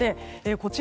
こちら